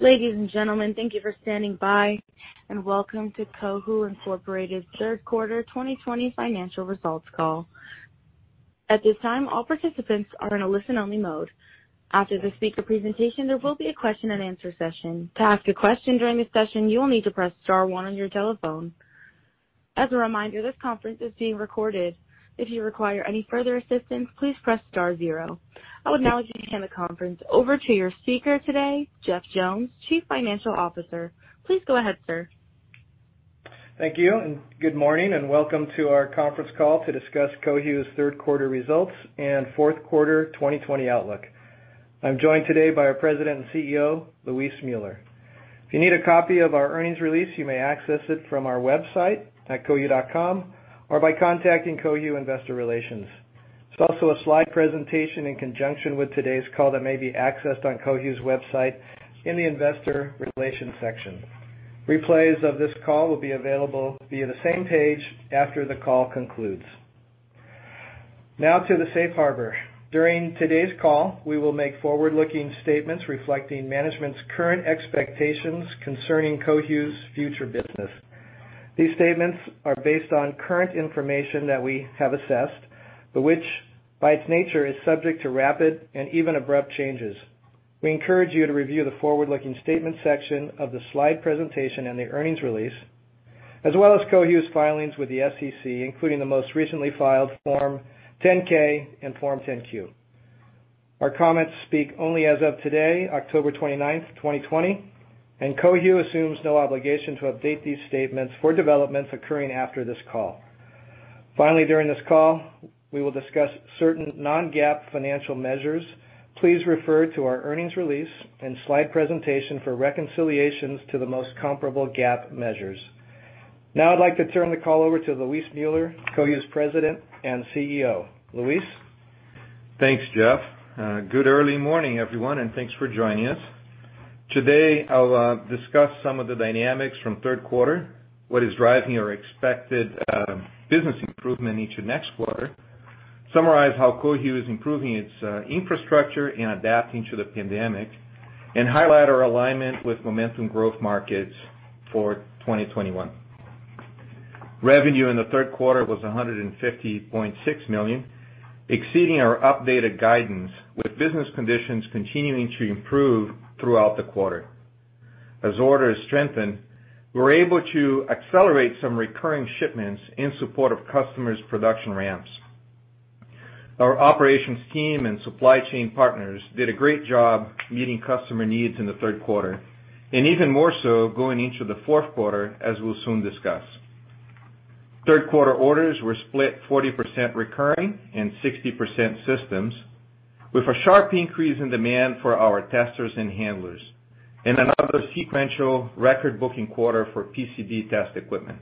Ladies and gentlemen, thank you for standing by, and welcome to Cohu Incorporated's third quarter 2020 financial results call. I would now like to hand the conference over to your speaker today, Jeff Jones, Chief Financial Officer. Please go ahead, sir. Thank you, and good morning, and welcome to our conference call to discuss Cohu's third quarter results and fourth quarter 2020 outlook. I'm joined today by our President and CEO, Luis Müller. If you need a copy of our earnings release, you may access it from our website at cohu.com or by contacting Cohu Investor Relations. There's also a slide presentation in conjunction with today's call that may be accessed on Cohu's website in the investor relations section. Replays of this call will be available via the same page after the call concludes. Now to the safe harbor. During today's call, we will make forward-looking statements reflecting management's current expectations concerning Cohu's future business. These statements are based on current information that we have assessed, which, by its nature, is subject to rapid and even abrupt changes. We encourage you to review the forward-looking statement section of the slide presentation and the earnings release, as well as Cohu's filings with the SEC, including the most recently filed Form 10-K and Form 10-Q. Our comments speak only as of today, October 29th, 2020, and Cohu assumes no obligation to update these statements for developments occurring after this call. Finally, during this call, we will discuss certain non-GAAP financial measures. Please refer to our earnings release and slide presentation for reconciliations to the most comparable GAAP measures. Now I'd like to turn the call over to Luis Müller, Cohu's President and CEO. Luis? Thanks, Jeff. Good early morning, everyone, and thanks for joining us. Today, I'll discuss some of the dynamics from third quarter, what is driving our expected business improvement into next quarter, summarize how Cohu is improving its infrastructure and adapting to the pandemic, and highlight our alignment with momentum growth markets for 2021. Revenue in the third quarter was $150.6 million, exceeding our updated guidance, with business conditions continuing to improve throughout the quarter. As orders strengthened, we were able to accelerate some recurring shipments in support of customers' production ramps. Our operations team and supply chain partners did a great job meeting customer needs in the third quarter, and even more so going into the fourth quarter, as we'll soon discuss. Third quarter orders were split 40% recurring and 60% systems, with a sharp increase in demand for our testers and handlers, and another sequential record booking quarter for PCB test equipment.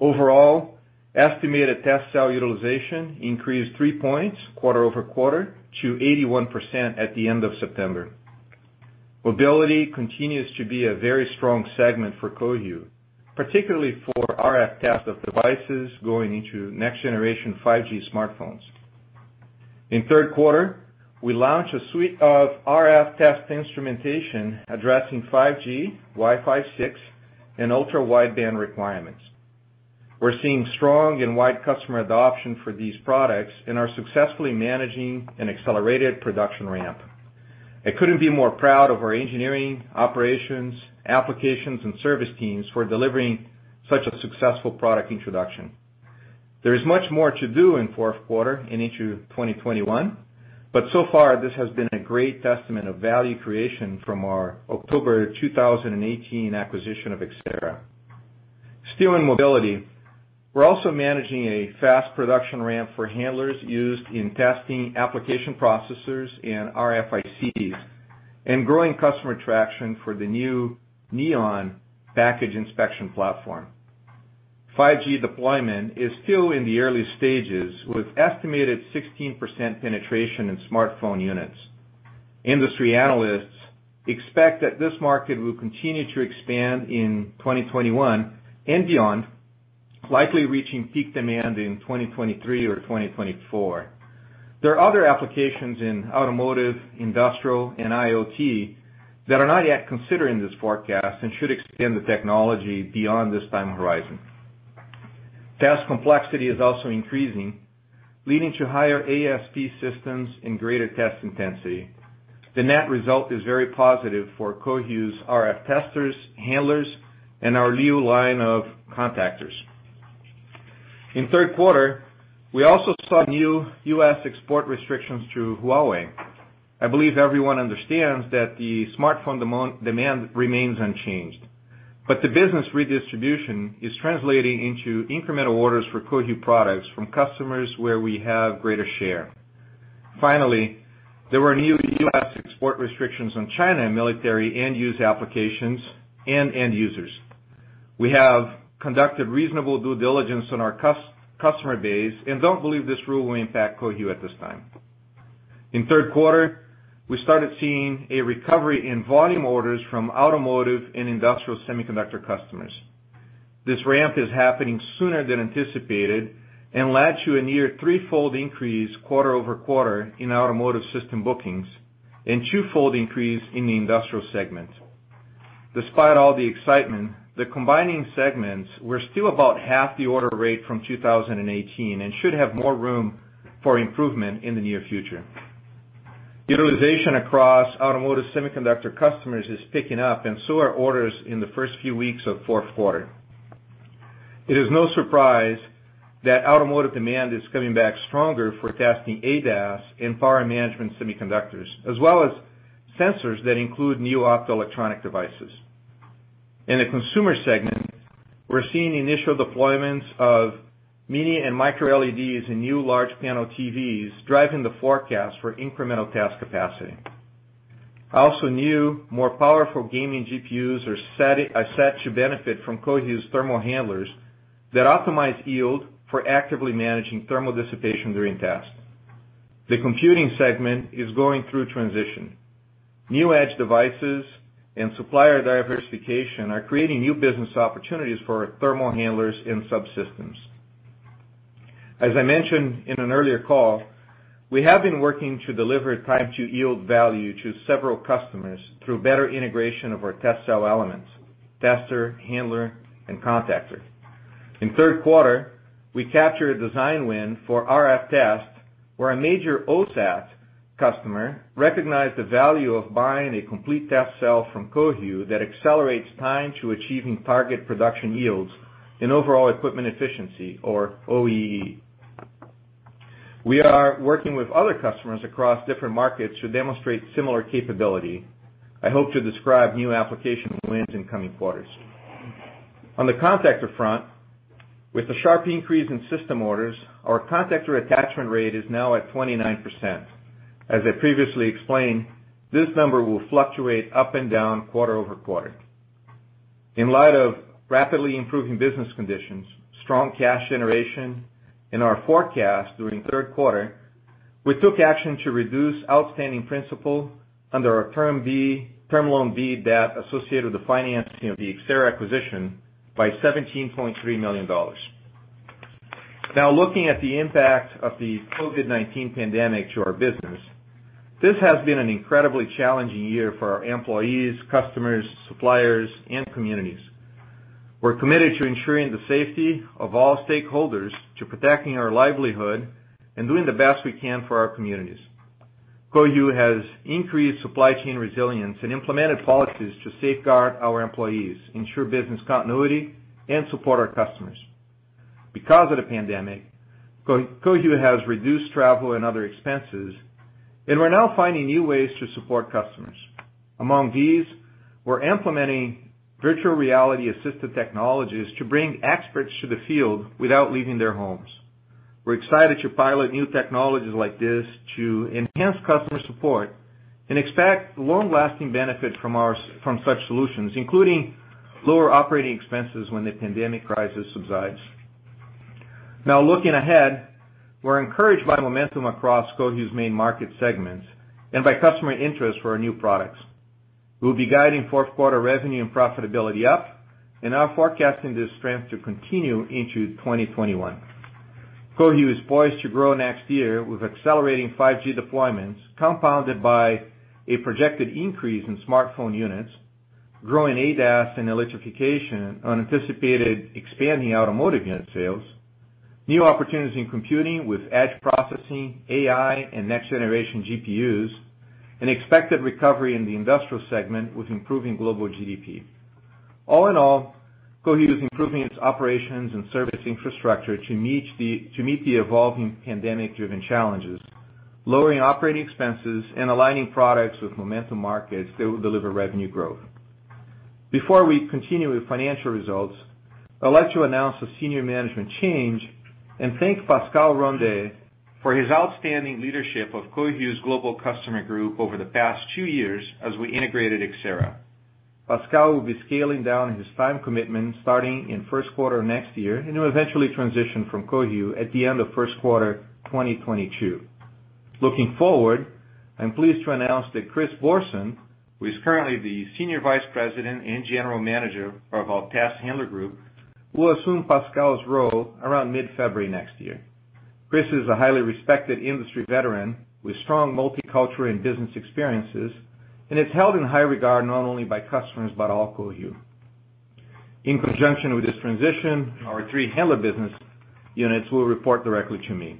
Overall, estimated test cell utilization increased three points quarter-over-quarter to 81% at the end of September. Mobility continues to be a very strong segment for Cohu, particularly for RF test of devices going into next-generation 5G smartphones. In the third quarter, we launched a suite of RF test instrumentation addressing 5G, Wi-Fi 6, and ultra-wideband requirements. We're seeing strong and wide customer adoption for these products and are successfully managing an accelerated production ramp. I couldn't be more proud of our engineering, operations, applications, and service teams for delivering such a successful product introduction. There is much more to do in the fourth quarter and into 2021, but so far, this has been a great testament of value creation from our October 2018 acquisition of Xcerra. Still in mobility, we're also managing a fast production ramp for handlers used in testing application processors and RFICs and growing customer traction for the new Neon package inspection platform. 5G deployment is still in the early stages, with an estimated 16% penetration in smartphone units. Industry analysts expect that this market will continue to expand in 2021 and beyond, likely reaching peak demand in 2023-2024. There are other applications in automotive, industrial, and IoT that are not yet considered in this forecast and should extend the technology beyond this time horizon. Test complexity is also increasing, leading to higher ASP systems and greater test intensity. The net result is very positive for Cohu's RF testers, handlers, and our new line of contactors. In the third quarter, we also saw new U.S. export restrictions to Huawei. I believe everyone understands that the smartphone demand remains unchanged, but the business redistribution is translating into incremental orders for Cohu products from customers where we have greater share. There were new U.S. export restrictions on China in military end-use applications and end users. We have conducted reasonable due diligence on our customer base and don't believe this rule will impact Cohu at this time. In the third quarter, we started seeing a recovery in volume orders from automotive and industrial semiconductor customers. This ramp is happening sooner than anticipated and led to a near 3x increase quarter-over-quarter in automotive system bookings and 2x increase in the industrial segment. Despite all the excitement, the combining segments were still about half the order rate from 2018 and should have more room for improvement in the near future. Utilization across automotive semiconductor customers is picking up, so are orders in the first few weeks of fourth quarter. It is no surprise that automotive demand is coming back stronger for testing ADAS and power management semiconductors, as well as sensors that include new optoelectronic devices. In the consumer segment, we're seeing initial deployments of Mini and Micro LEDs in new large panel TVs, driving the forecast for incremental test capacity. Also, new, more powerful gaming GPUs are set to benefit from Cohu's thermal handlers that optimize yield for actively managing thermal dissipation during test. The computing segment is going through a transition. New Edge devices and supplier diversification are creating new business opportunities for our thermal handlers and subsystems. As I mentioned in an earlier call, we have been working to deliver time-to-yield value to several customers through better integration of our test cell elements, tester, handler, and contactor. In the third quarter, we captured a design win for RF test, where a major OSAT customer recognized the value of buying a complete test cell from Cohu that accelerates time to achieving target production yields and overall equipment efficiency or OEE. We are working with other customers across different markets to demonstrate similar capability. I hope to describe new application wins in coming quarters. On the contactor front, with the sharp increase in system orders, our contactor attachment rate is now at 29%. As I previously explained, this number will fluctuate up and down quarter-over-quarter. In light of rapidly improving business conditions, strong cash generation, in our forecast during the third quarter, we took action to reduce outstanding principal under our Term Loan B debt associated with the financing of the Xcerra acquisition by $17.3 million. Looking at the impact of the COVID-19 pandemic to our business. This has been an incredibly challenging year for our employees, customers, suppliers, and communities. We're committed to ensuring the safety of all stakeholders, to protecting our livelihood, and doing the best we can for our communities. Cohu has increased supply chain resilience and implemented policies to safeguard our employees, ensure business continuity, and support our customers. Because of the pandemic, Cohu has reduced travel and other expenses, and we're now finding new ways to support customers. Among these, we're implementing virtual reality assisted technologies to bring experts to the field without leaving their homes. We're excited to pilot new technologies like this to enhance customer support and expect long-lasting benefits from such solutions, including lower operating expenses when the pandemic crisis subsides. Now, looking ahead, we're encouraged by the momentum across Cohu's main market segments and by customer interest for our new products. We'll be guiding fourth quarter revenue and profitability up and are forecasting this trend to continue into 2021. Cohu is poised to grow next year with accelerating 5G deployments, compounded by a projected increase in smartphone units, growing ADAS and electrification on anticipated expanding automotive unit sales, new opportunities in computing with edge processing, AI, and next-generation GPUs, and expected recovery in the industrial segment with improving global GDP. All in all, Cohu is improving its operations and service infrastructure to meet the evolving pandemic-driven challenges, lowering operating expenses, and aligning products with momentum markets that will deliver revenue growth. Before we continue with financial results, I'd like to announce a senior management change and thank Pascal Rondé for his outstanding leadership of Cohu's global customer group over the past two years as we integrated Xcerra. Pascal will be scaling down his time commitment starting in the first quarter of next year, and he will eventually transition from Cohu at the end of the first quarter 2022. Looking forward, I'm pleased to announce that Chris Bohrson, who is currently the Senior Vice President and General Manager of our Test Handler group, will assume Pascal's role around mid-February next year. Chris is a highly respected industry veteran with strong multicultural and business experiences and is held in high regard not only by customers but all Cohu. In conjunction with this transition, our three handler business units will report directly to me.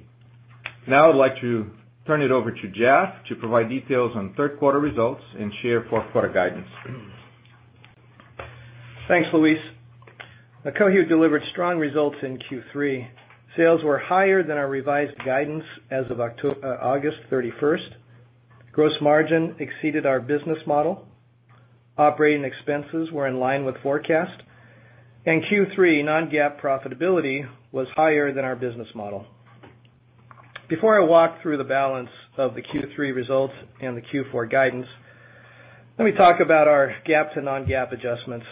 Now I'd like to turn it over to Jeff to provide details on third-quarter results and share fourth quarter guidance. Thanks, Luis. Cohu delivered strong results in Q3. Sales were higher than our revised guidance as of August 31st, 2020. Gross margin exceeded our business model. Operating expenses were in line with forecast. Q3 non-GAAP profitability was higher than our business model. Before I walk through the balance of the Q3 results and the Q4 guidance, let me talk about our GAAP to non-GAAP adjustments.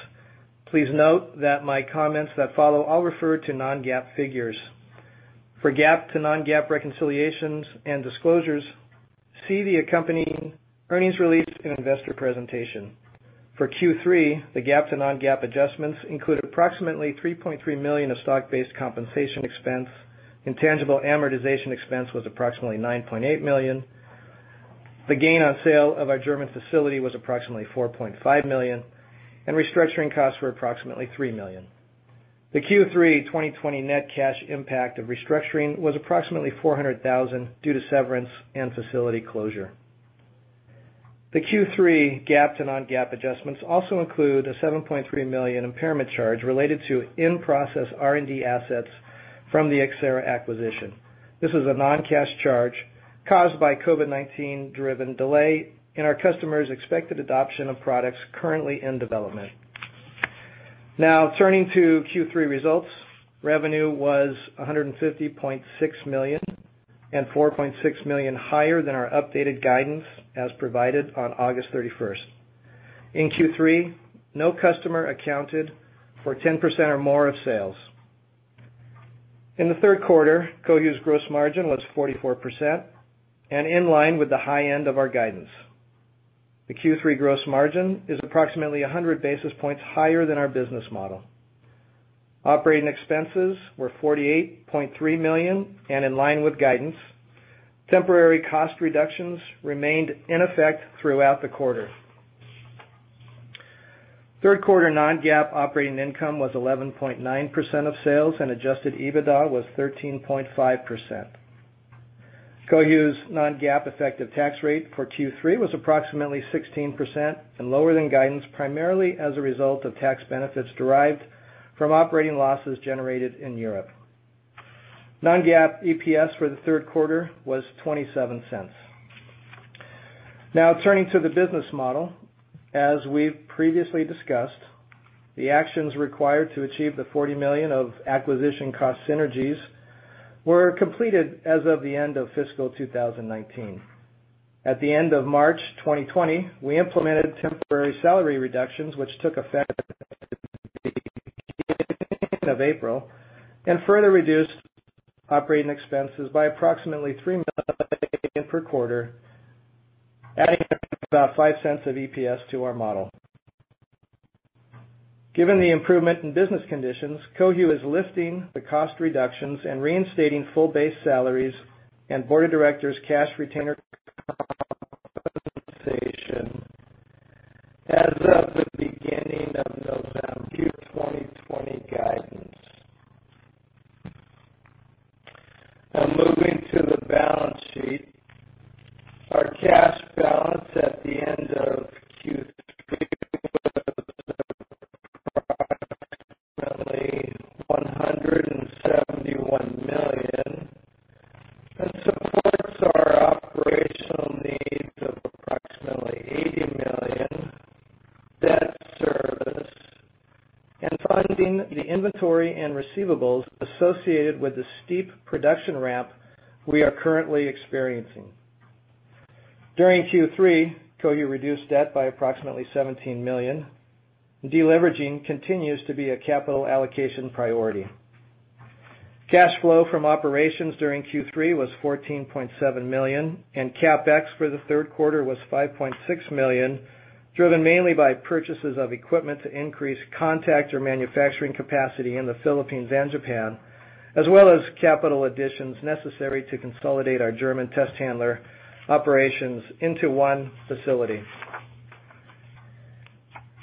Please note that in my comments that follow, I'll refer to non-GAAP figures. For GAAP to non-GAAP reconciliations and disclosures, see the accompanying earnings release and investor presentation. For Q3, the GAAP to non-GAAP adjustments include approximately $3.3 million of stock-based compensation expense. Intangible amortization expense was approximately $9.8 million. The gain on sale of our German facility was approximately $4.5 million, and restructuring costs were approximately $3 million. The Q3 2020 net cash impact of restructuring was approximately $400,000 due to severance and facility closure. The Q3 GAAP to non-GAAP adjustments also include a $7.3 million impairment charge related to in-process R&D assets from the Xcerra acquisition. This was a non-cash charge caused by COVID-19-driven delay in our customers' expected adoption of products currently in development. Turning to Q3 results. Revenue was $150.6 million and $4.6 million higher than our updated guidance as provided on August 31st. In Q3, no customer accounted for 10% or more of sales. In the third quarter, Cohu's gross margin was 44% and in line with the high end of our guidance. The Q3 gross margin is approximately 100 basis points higher than our business model. Operating expenses were $48.3 million and in line with guidance. Temporary cost reductions remained in effect throughout the quarter. Third quarter non-GAAP operating income was 11.9% of sales and adjusted EBITDA was 13.5%. Cohu's non-GAAP effective tax rate for Q3 was approximately 16% and lower than guidance, primarily as a result of tax benefits derived from operating losses generated in Europe. Non-GAAP EPS for the third quarter was $0.27. Turning to the business model. As we've previously discussed, the actions required to achieve the $40 million of acquisition cost synergies were completed as of the end of fiscal 2019. At the end of March 2020, we implemented temporary salary reductions which took effect of April and further reduced operating expenses by approximately $3 million per quarter, adding about $0.05 of EPS to our model. Given the improvement in business conditions, Cohu is lifting the cost reductions and reinstating full base salaries and board of directors cash retainer compensation as of the beginning of November Q4 2020 guidance. Moving to the balance sheet. Our cash balance at the end of Q3 was approximately $171 million and supports our operational needs of approximately $80 million, debt service, and funding the inventory and receivables associated with the steep production ramp we are currently experiencing. During Q3, Cohu reduced debt by approximately $17 million. Deleveraging continues to be a capital allocation priority. Cash flow from operations during Q3 was $14.7 million, and CapEx for the third quarter was $5.6 million, driven mainly by purchases of equipment to increase contactor manufacturing capacity in the Philippines and Japan, as well as capital additions necessary to consolidate our German test handler operations into one facility.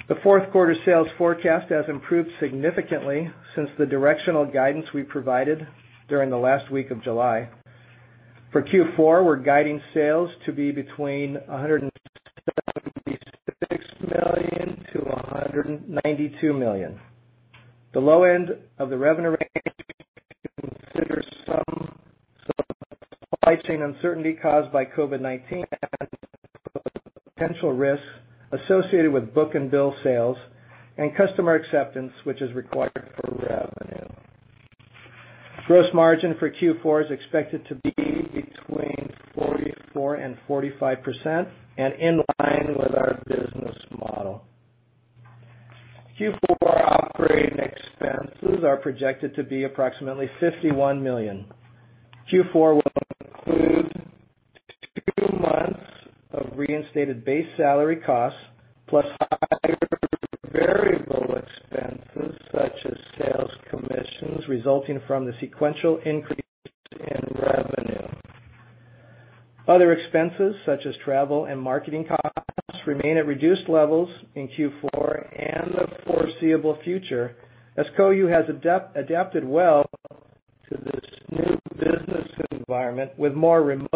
The fourth quarter sales forecast has improved significantly since the directional guidance we provided during the last week of July. For Q4, we're guiding sales to be between $176 million-$192 million. The low end of the revenue range considers some supply chain uncertainty caused by COVID-19 and potential risks associated with book and bill sales and customer acceptance, which is required for revenue. Gross margin for Q4 is expected to be between 44%-45% and in line with our business model. Q4 operating expenses are projected to be approximately $51 million. Q4 will include two months of reinstated base salary costs plus higher variable expenses such as sales commissions resulting from the sequential increase in revenue. Other expenses, such as travel and marketing costs, remain at reduced levels in Q4 and the foreseeable future as Cohu has adapted well to this new business environment with more remote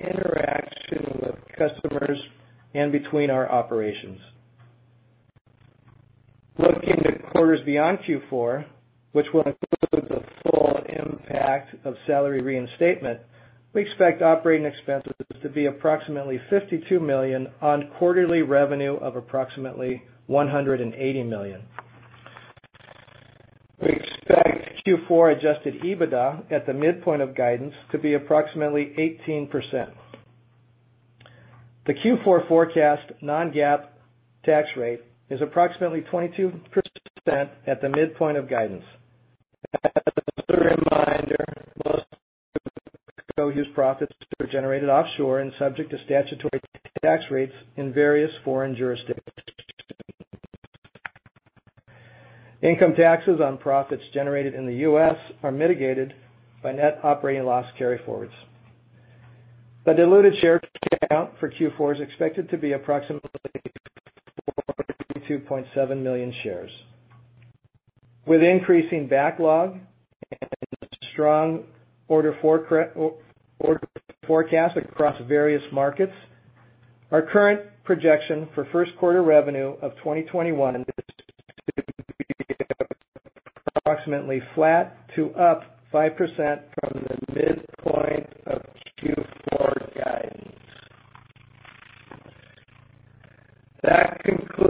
interaction with customers and between our operations. Looking to quarters beyond Q4, which will include the full impact of salary reinstatement, we expect operating expenses to be approximately $52 million on quarterly revenue of approximately $180 million. We expect Q4 adjusted EBITDA at the midpoint of guidance to be approximately 18%. The Q4 forecast non-GAAP tax rate is approximately 22% at the midpoint of guidance. As a reminder, most of Cohu's profits are generated offshore and subject to statutory tax rates in various foreign jurisdictions. Income taxes on profits generated in the U.S. are mitigated by net operating loss carryforwards. The diluted share count for Q4 is expected to be approximately 42.7 million shares. With increasing backlog and strong order forecast across various markets, our current projection for first quarter revenue of 2021 is to be approximately flat to up 5% from the midpoint of Q4 guidance. That concludes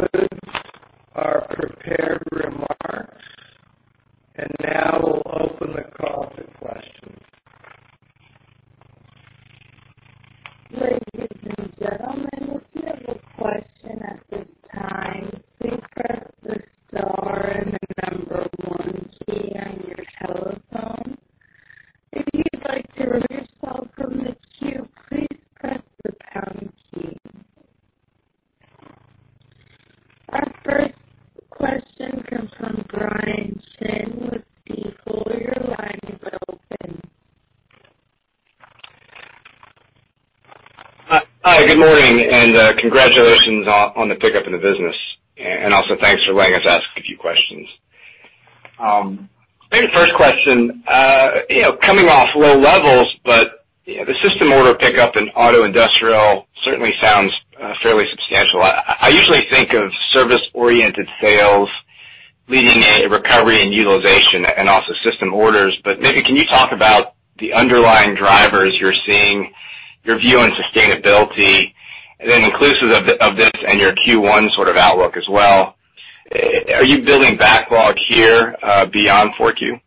our prepared remarks, and now we'll open the call to questions. Our first question comes from Brian Chin with B. Riley. Your line is open. Hi, good morning, and congratulations on the pickup in the business, and also thanks for letting us ask a few questions. Maybe first question, coming off low levels, but the system order pickup in auto industrial certainly sounds fairly substantial. I usually think of service-oriented sales leading a recovery in utilization and also system orders. Maybe can you talk about the underlying drivers you're seeing, your view on sustainability, and then inclusive of this and your Q1 sort of outlook as well, are you building backlog here beyond 4Q?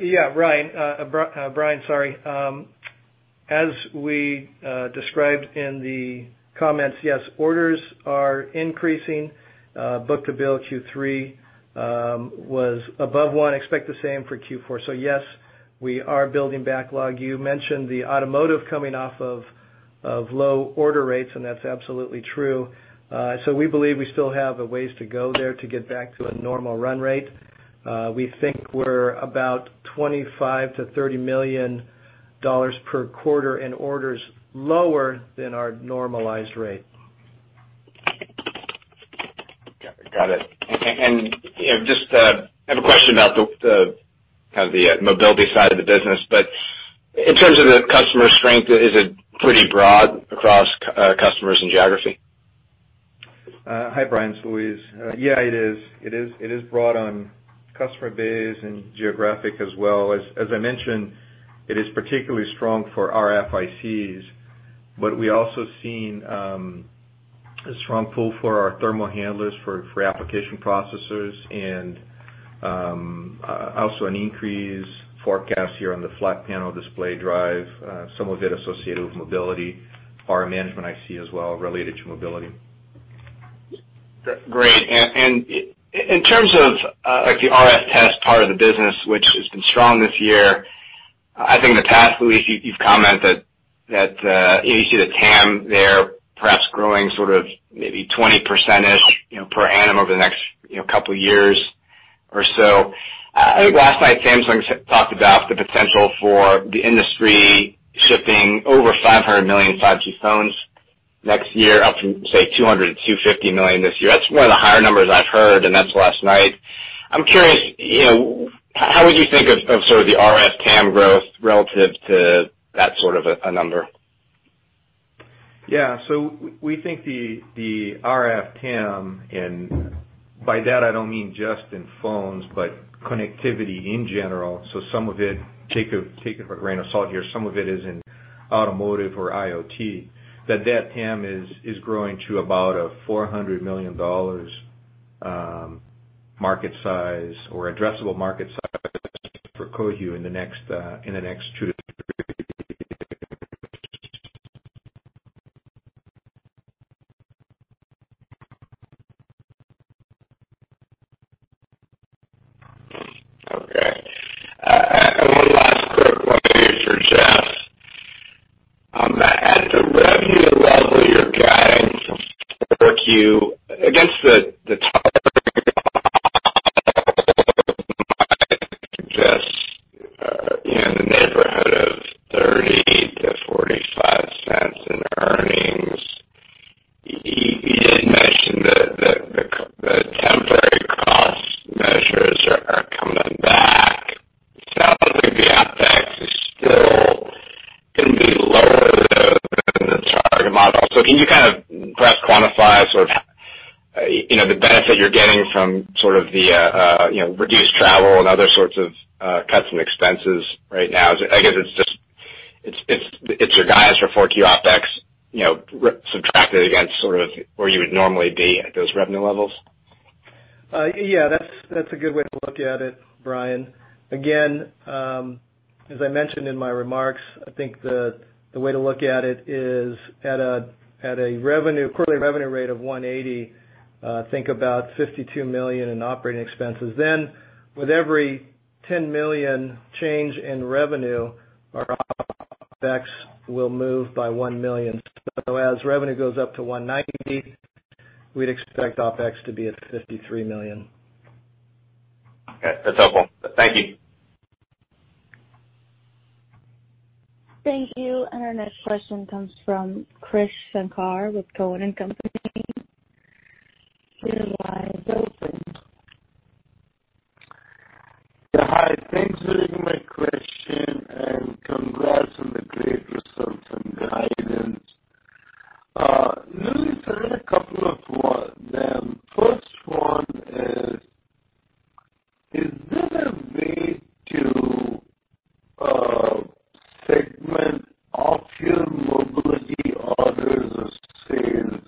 Yeah, Brian. As we described in the comments, yes, orders are increasing. Book-to-bill Q3 was above 1, expect the same for Q4. Yes, we are building backlog. You mentioned the automotive coming off of low order rates, and that's absolutely true. We believe we still have a ways to go there to get back to a normal run rate. We think we're about $25 million-$30 million per quarter in orders lower than our normalized rate. Got it. Just have a question about the mobility side of the business. In terms of the customer strength, is it pretty broad across customers and geography? Hi, Brian. It's Luis. Yeah, it is broad on customer base and geographic as well. As I mentioned, it is particularly strong for RFICs, but we also seen a strong pull for our thermal handlers for application processors and also an increase forecast here on the flat panel display drive, some of it associated with mobility. RM management I see as well related to mobility. Great. In terms of the RF test part of the business, which has been strong this year, I think in the past, Luis, you've commented that you see the TAM there perhaps growing sort of maybe 20%-ish, per annum over the next couple of years or so. I think last night Samsung talked about the potential for the industry shipping over 500 million 5G phones next year, up from, say, 200 million to 250 million this year. That's one of the higher numbers I've heard, and that's last night. I'm curious, how would you think of sort of the RF TAM growth relative to that sort of a number? Yeah. We think the RF TAM, and by that I don't mean just in phones, but connectivity in general, some of it, take it for a grain of salt here, some of it is in automotive or IoT, that TAM is growing to about a $400 million market size or addressable market size for Cohu in the next two to three. Okay. One last quick one here for Jeff. At the revenue level you're guiding for 4Q, I guess the target might suggest in the neighborhood of $0.30-$0.45 in earnings. You did mention that the temporary cost measures are coming back. It sounds like the OpEx is still going to be lower than the target model. Can you kind of perhaps quantify sort of the benefit you're getting from sort of the reduced travel and other sorts of cuts in expenses right now? I guess it's your guidance for 4Q OpEx, subtracted against sort of where you would normally be at those revenue levels? Yeah, that's a good way to look at it, Brian. As I mentioned in my remarks, I think the way to look at it is at a quarterly revenue rate of 180, think about $52 million in operating expenses. With every $10 million change in revenue, our OpEx will move by $1 million. As revenue goes up to 190, we'd expect OpEx to be at $53 million. Okay. That's helpful. Thank you. Thank you. Our next question comes from Krish Sankar with Cowen and Company. Your line is open. Yeah, hi. Thanks for taking my question, and congrats on the great results and guidance. Luis, I got a couple of them. First one is there a way to segment off your mobility orders of sales,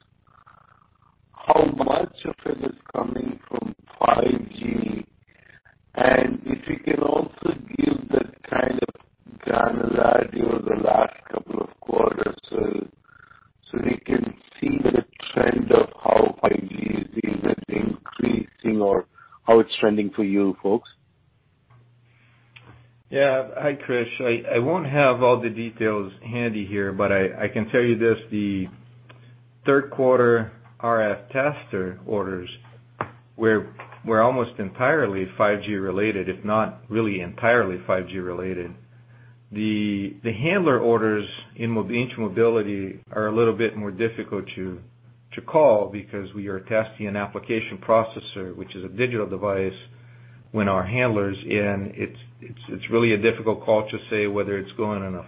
how much of it is coming from 5G? If you can also give that kind of granularity over the last couple of quarters, so we can see the trend of how 5G is either increasing or how it's trending for you folks. Yeah. Hi, Krish. I won't have all the details handy here, but I can tell you this, the third quarter RF tester orders were almost entirely 5G related, if not really entirely 5G related. The handler orders in mobility are a little bit more difficult to call because we are testing an application processor, which is a digital device, when our handler's in. It's really a difficult call to say whether it's going on a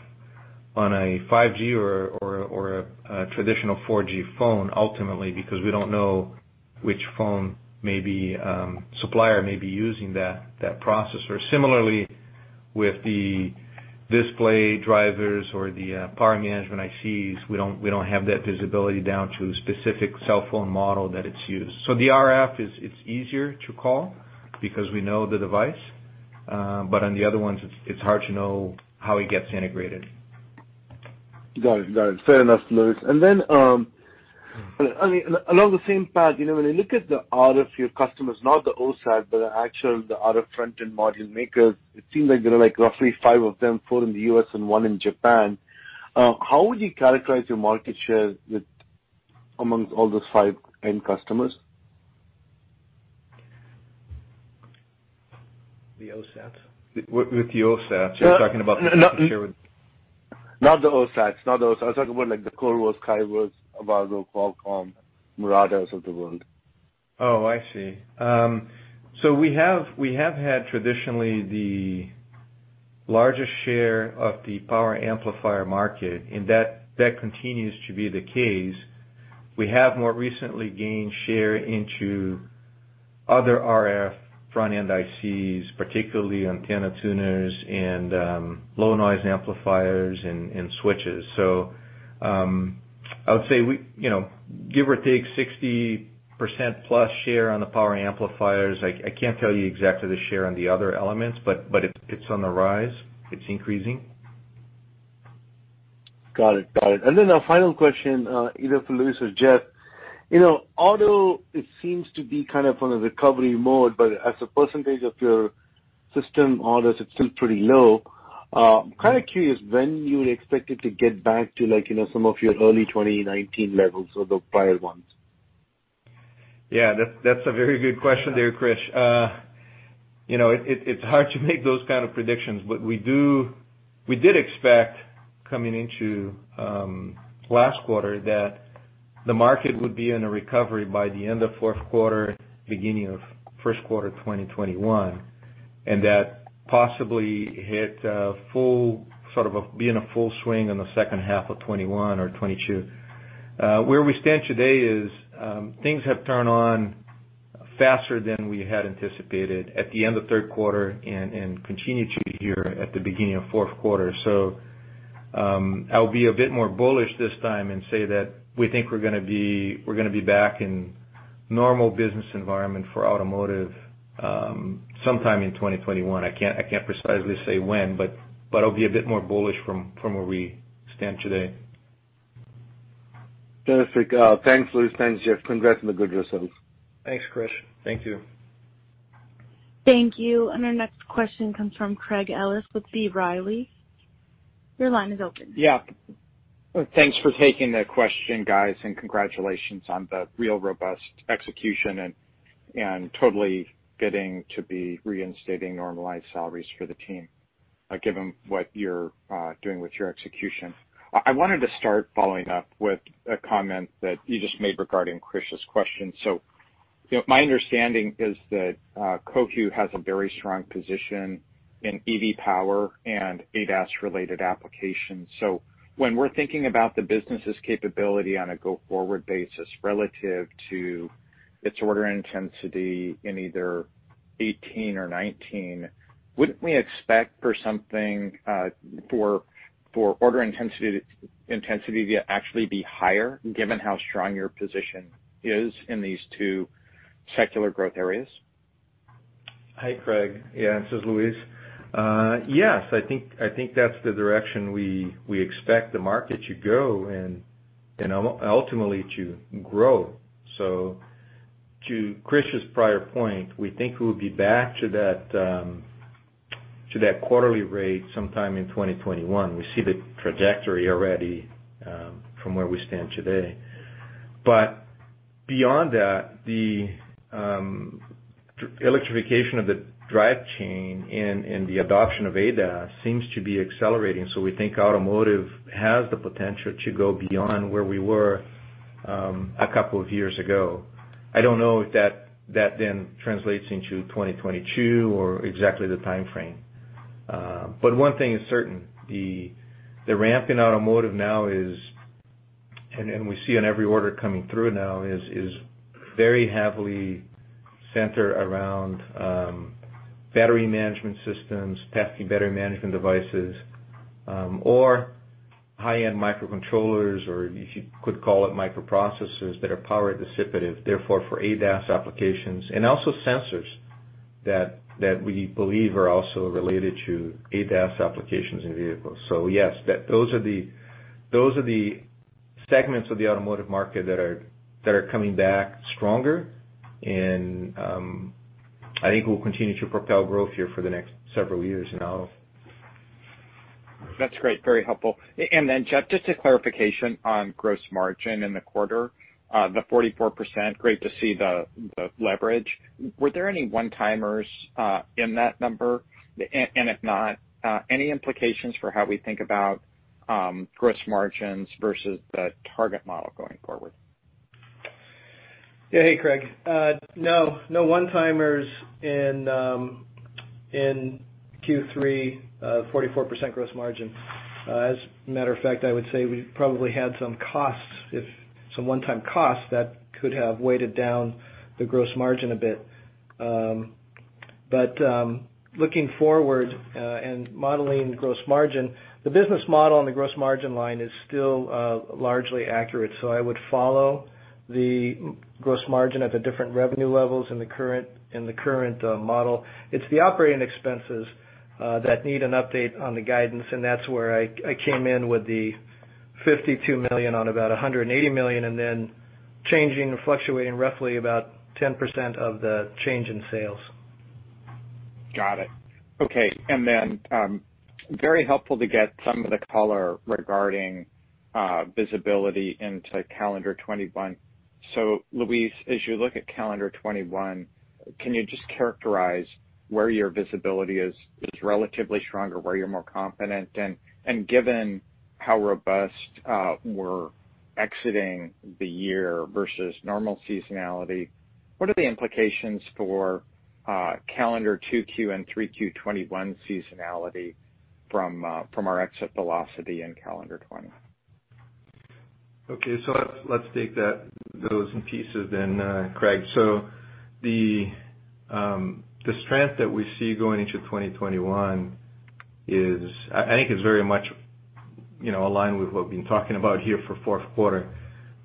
5G or a traditional 4G phone, ultimately, because we don't know which supplier may be using that processor. Similarly, with the display drivers or the power management ICs, we don't have that visibility down to a specific cell phone model that it's used. The RF is easier to call because we know the device. On the other ones, it's hard to know how it gets integrated. Got it. Fair enough, Luis. Along the same path, when you look at the RF customers, not the OSATs, but the actual, the other front-end module makers, it seems like there are roughly five of them, four in the U.S. and one in Japan. How would you characterize your market share amongst all those five end customers? The OSATs? With the OSATs, you're talking about the share? Not the OSATs. I was talking about like the Qorvo, Skyworks, Avago, Qualcomm, Murata of the world. Oh, I see. We have had traditionally the largest share of the power amplifier market, and that continues to be the case. We have more recently gained share into other RFICs, particularly antenna tuners and low noise amplifiers and switches. I would say, give or take 60%+ share on the power amplifiers. I can't tell you exactly the share on the other elements, but it's on the rise. It's increasing. Got it. Then a final question, either for Luis or Jeff. Auto, it seems to be kind of on a recovery mode, but as a percentage of your system orders, it's still pretty low. I'm kind of curious when you would expect it to get back to some of your early 2019 levels or the prior ones. Yeah, that's a very good question there, Krish. It's hard to make those kind of predictions, we did expect coming into last quarter that the market would be in a recovery by the end of fourth quarter, beginning of first quarter 2021, and that possibly be in a full swing in the second half of 2021 or 2022. Where we stand today is, things have turned on faster than we had anticipated at the end of third quarter and continue to be here at the beginning of fourth quarter. I'll be a bit more bullish this time and say that we think we're going to be back in normal business environment for automotive sometime in 2021. I can't precisely say when, I'll be a bit more bullish from where we stand today. Terrific. Thanks, Luis. Thanks, Jeff. Congrats on the good results. Thanks, Krish. Thank you. Thank you. Our next question comes from Craig Ellis with B. Riley. Yeah. Thanks for taking the question, guys. Congratulations on the real robust execution and totally getting to be reinstating normalized salaries for the team, given what you're doing with your execution. I wanted to start following up with a comment that you just made regarding Krish's question. My understanding is that Cohu has a very strong position in EV power and ADAS-related applications. When we're thinking about the business's capability on a go-forward basis relative to its order intensity in either 2018 or 2019, wouldn't we expect for order intensity to actually be higher, given how strong your position is in these two secular growth areas? Hi, Craig. Yeah, this is Luis. Yes, I think that's the direction we expect the market to go and ultimately to grow. To Krish's prior point, we think we'll be back to that quarterly rate sometime in 2021. We see the trajectory already from where we stand today. Beyond that, the electrification of the drive chain and the adoption of ADAS seems to be accelerating, so we think automotive has the potential to go beyond where we were a couple of years ago. I don't know if that then translates into 2022 or exactly the timeframe. One thing is certain, the ramp in automotive now is, and we see on every order coming through now, is very heavily centered around battery management systems, testing battery management devices, or high-end microcontrollers, or you could call it microprocessors that are power dissipative, therefore, for ADAS applications. Also sensors that we believe are also related to ADAS applications in vehicles. Yes, those are the segments of the automotive market that are coming back stronger, and I think will continue to propel growth here for the next several years now. That's great. Very helpful. Then, Jeff, just a clarification on gross margin in the quarter. The 44%, great to see the leverage. Were there any one-timers in that number? If not, any implications for how we think about gross margins versus the target model going forward? Yeah. Hey, Craig. No one-timers in Q3, 44% gross margin. As a matter of fact, I would say we probably had some one-time costs that could have weighted down the gross margin a bit. Looking forward, and modeling gross margin, the business model on the gross margin line is still largely accurate. I would follow the gross margin at the different revenue levels in the current model. It's the operating expenses that need an update on the guidance, and that's where I came in with the $52 million on about $180 million, and then changing or fluctuating roughly about 10% of the change in sales. Got it. Okay. Very helpful to get some of the color regarding visibility into calendar 2021. Luis, as you look at calendar 2021, can you just characterize where your visibility is relatively stronger, where you're more confident? Given how robust we're exiting the year versus normal seasonality, what are the implications for calendar 2Q and 3Q 2021 seasonality from our exit velocity in calendar 2020? Okay. Let's take those in pieces then, Craig. The strength that we see going into 2021, I think is very much aligned with what we've been talking about here for fourth quarter.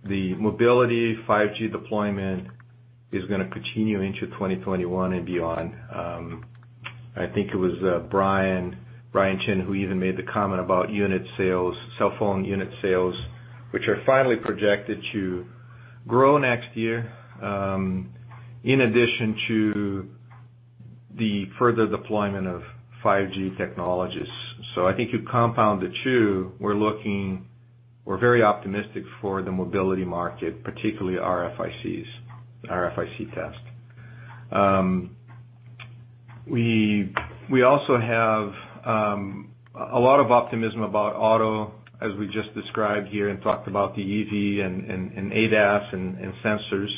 The mobility 5G deployment is going to continue into 2021 and beyond. I think it was Brian Chin who even made the comment about unit sales, cell phone unit sales, which are finally projected to grow next year in addition to the further deployment of 5G technologies. I think you compound the two, we're very optimistic for the mobility market, particularly RFICs, RFIC tests. We also have a lot of optimism about auto, as we just described here and talked about the EV and ADAS and sensors.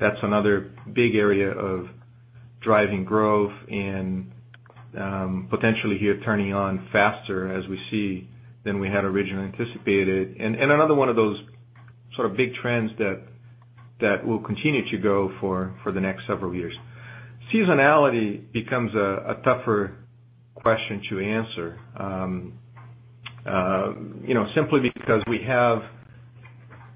That's another big area of driving growth and potentially here turning on faster as we see, than we had originally anticipated. Another one of those sort of big trends that will continue to go for the next several years. Seasonality becomes a tougher question to answer. Simply because we have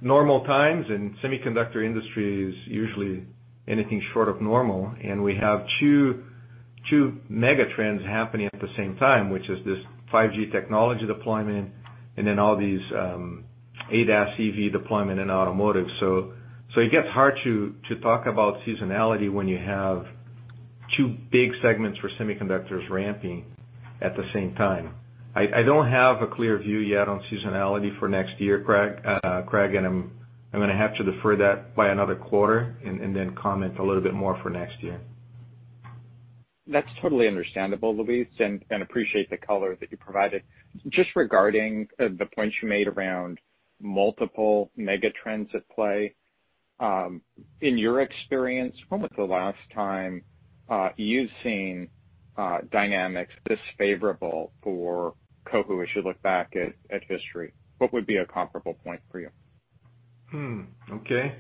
normal times, semiconductor industry is usually anything short of normal, and we have two mega trends happening at the same time, which is this 5G technology deployment and then all these ADAS EV deployment in automotive. It gets hard to talk about seasonality when you have two big segments for semiconductors ramping at the same time. I don't have a clear view yet on seasonality for next year, Craig, I'm going to have to defer that by another quarter and comment a little bit more for next year. That's totally understandable, Luis. Appreciate the color that you provided. Just regarding the points you made around multiple mega trends at play. In your experience, when was the last time you've seen dynamics this favorable for Cohu as you look back at history? What would be a comparable point for you? Okay.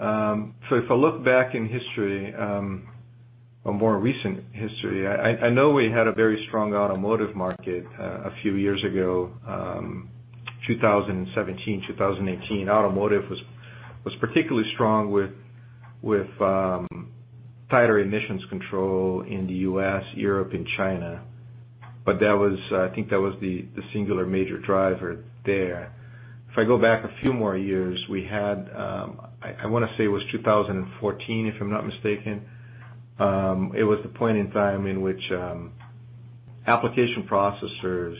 If I look back in history, a more recent history, I know we had a very strong automotive market a few years ago, 2017, 2018. Automotive was particularly strong with tighter emissions control in the U.S., Europe, and China. I think that was the singular major driver there. If I go back a few more years, we had, I want to say it was 2014, if I'm not mistaken. It was the point in time in which application processors'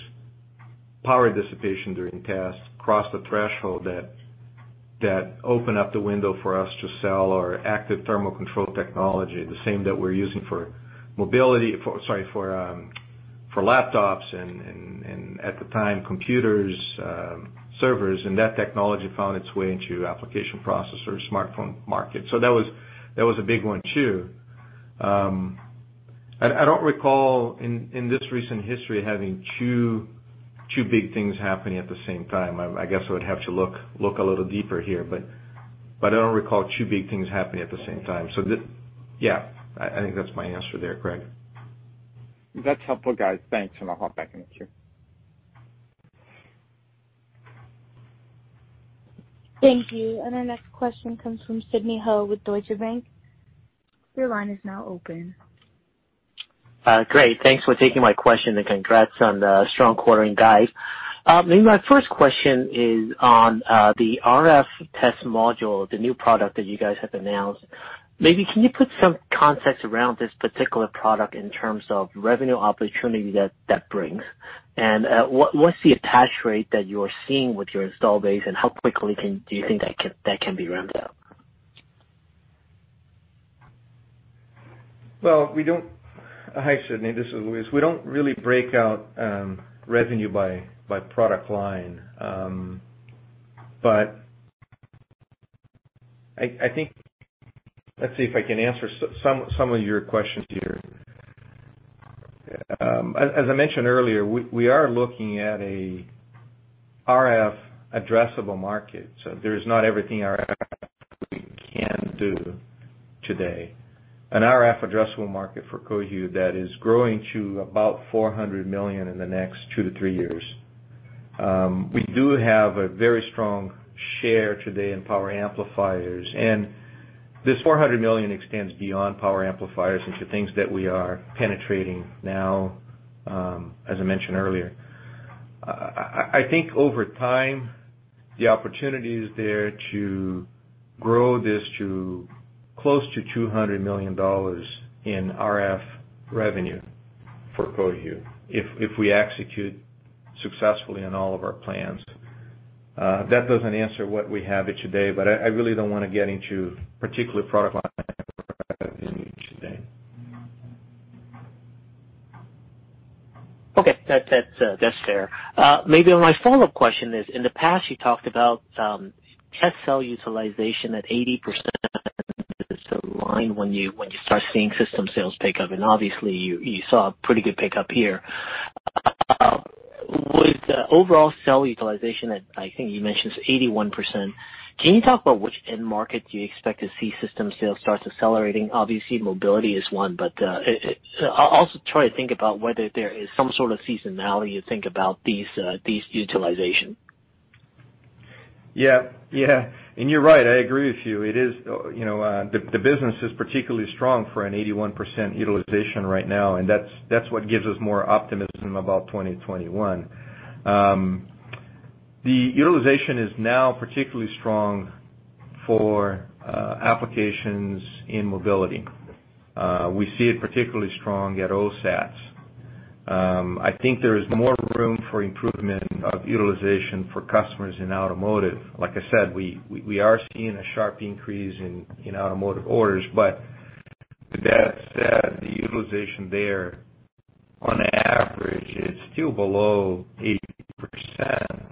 power dissipation during tests crossed the threshold that opened up the window for us to sell our active thermal control technology, the same that we're using for laptops and, at the time, computers, servers. That technology found its way into application processors smartphone market. That was a big one, too. I don't recall in this recent history having two big things happening at the same time. I guess I would have to look a little deeper here, but I don't recall two big things happening at the same time. Yeah. I think that's my answer there, Craig. That's helpful, guys. Thanks. I'll hop back in the queue. Thank you. Our next question comes from Sidney Ho with Deutsche Bank. Your line is now open. Great. Thanks for taking my question. Congrats on the strong quarter, guys. Maybe my first question is on the RF test module, the new product that you guys have announced. Maybe can you put some context around this particular product in terms of revenue opportunity that brings? What's the attach rate that you are seeing with your install base, and how quickly do you think that can be ramped up? Hi, Sidney. This is Luis. We don't really break out revenue by product line. Let's see if I can answer some of your questions here. As I mentioned earlier, we are looking at a RF addressable market, so there's not everything RF can do today. An RF addressable market for Cohu that is growing to about $400 million in the next two to three years. We do have a very strong share today in power amplifiers, and this $400 million extends beyond power amplifiers into things that we are penetrating now, as I mentioned earlier. I think over time, the opportunity is there to grow this to close to $200 million in RF revenue for Cohu, if we execute successfully on all of our plans. That doesn't answer what we have it today, but I really don't want to get into particular product line today. Okay. That's fair. Maybe my follow-up question is, in the past, you talked about test cell utilization at 80% is the line when you start seeing system sales pick up, and obviously you saw a pretty good pickup here. With the overall cell utilization at, I think you mentioned, 81%, can you talk about which end market do you expect to see system sales start accelerating? Obviously, mobility is one, but also try to think about whether there is some sort of seasonality you think about these utilization. Yeah. You're right, I agree with you. The business is particularly strong for an 81% utilization right now, and that's what gives us more optimism about 2021. The utilization is now particularly strong for applications in mobility. We see it particularly strong at OSATs. I think there is more room for improvement of utilization for customers in automotive. Like I said, we are seeing a sharp increase in automotive orders. That said, the utilization there on average is still below 80%.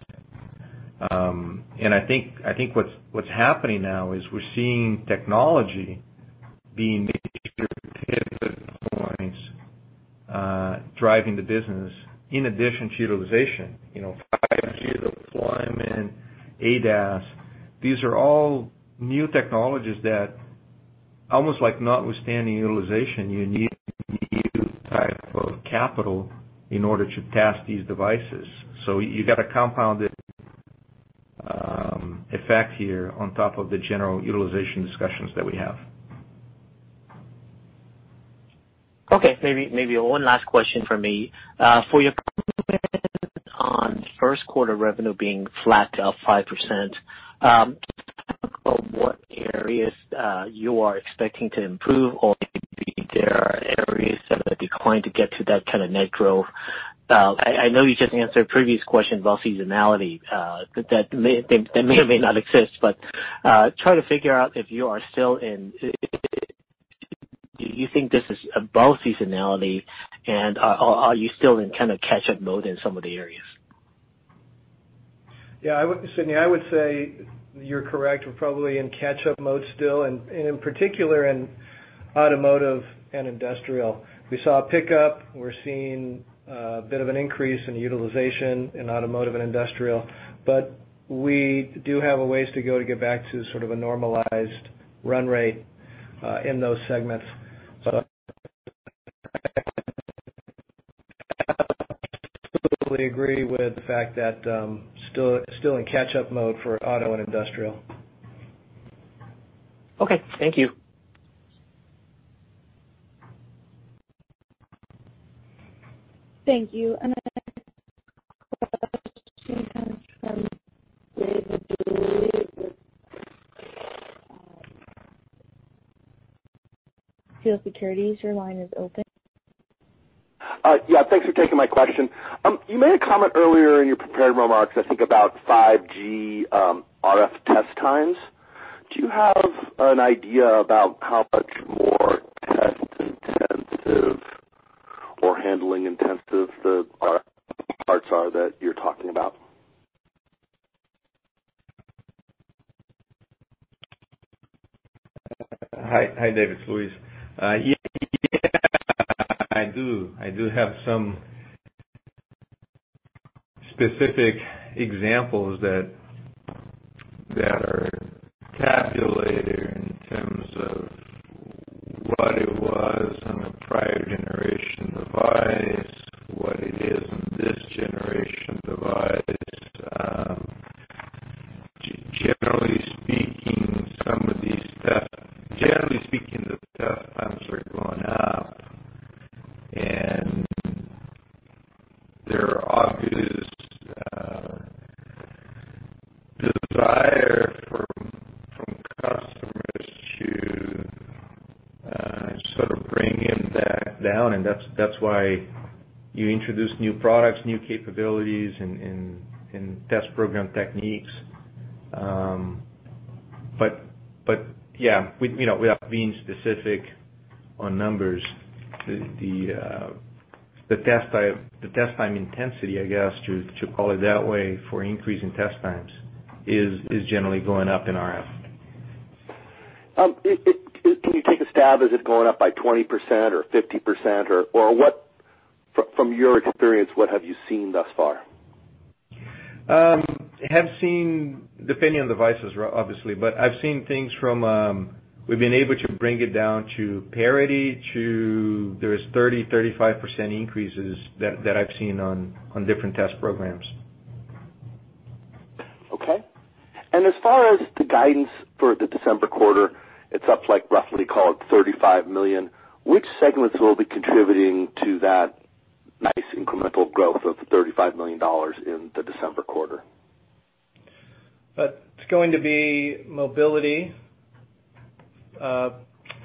I think what's happening now is we're seeing technology being driving the business in addition to utilization. 5G deployment, ADAS, these are all new technologies that almost like notwithstanding utilization, you need type of capital in order to test these devices. You got a compounded effect here on top of the general utilization discussions that we have. Maybe one last question from me. For your comment on first quarter revenue being flat to up 5%, can you talk about what areas you are expecting to improve or maybe there are areas that are declining to get to that kind of net growth? I know you just answered a previous question about seasonality that may or may not exist, try to figure out if you think this is above seasonality, are you still in kind of catch-up mode in some of the areas? Yeah, Sidney, I would say you're correct. We're probably in catch-up mode still, and in particular in automotive and industrial. We saw a pickup. We're seeing a bit of an increase in utilization in automotive and industrial, but we do have a ways to go to get back to sort of a normalized run rate in those segments. Absolutely agree with the fact that still in catch-up mode for auto and industrial. Okay, thank you. Thank you. Our next question comes from David Duley. Your line is open. Yeah. Thanks for taking my question. You made a comment earlier in your prepared remarks, I think about 5G RF test times. Do you have an idea about how much more test intensive or handling intensive the parts are that you're talking about? Hi, David. It's Luis. Yeah, I do have some specific examples that are tabulated in terms of what it was on a prior generation device, what it is in this generation device. Generally speaking, the test times are going up, and there are obvious desire from customers to sort of bring it back down, and that's why you introduce new products, new capabilities, and test program techniques. Yeah, without being specific on numbers, the test time intensity, I guess, to call it that way, for increase in test times is generally going up in RF. Can you take a stab? Is it going up by 20% or 50%? From your experience, what have you seen thus far? Depending on devices, obviously, but I've seen things from, we've been able to bring it down to parity, to, there is 30%-35% increases that I've seen on different test programs. Okay. As far as the guidance for the December quarter, it's up like roughly call it $35 million. Which segments will be contributing to that nice incremental growth of $35 million in the December quarter? It's going to be mobility, 5G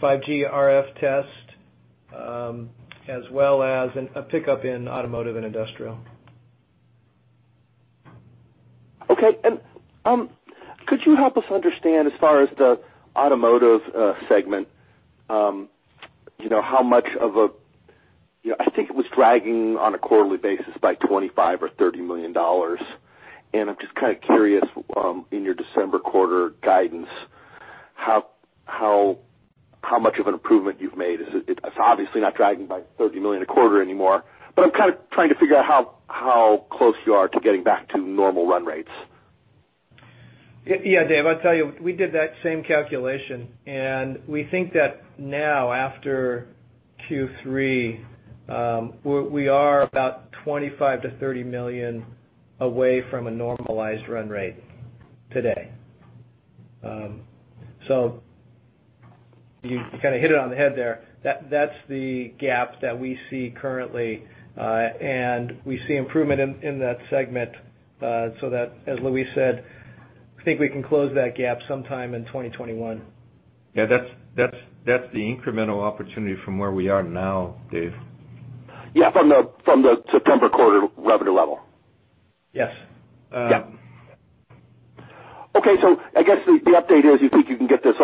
RF test, as well as a pickup in automotive and industrial. Okay. Could you help us understand, as far as the automotive segment, how much of a I think it was dragging on a quarterly basis by $25 million or $30 million. I'm just kind of curious, in your December quarter guidance, how much of an improvement you've made. It's obviously not dragging by $30 million a quarter anymore. I'm kind of trying to figure out how close you are to getting back to normal run rates. Yeah. Dave, I'll tell you, we did that same calculation, we think that now after Q3, we are about $25 million-$30 million away from a normalized run rate today. You kind of hit it on the head there. That's the gap that we see currently, we see improvement in that segment, that, as Luis said, I think we can close that gap sometime in 2021. Yeah, that's the incremental opportunity from where we are now, Dave. Yeah, from the September quarter revenue level. Yes. Yeah. Okay. I guess the update is you think you can get this,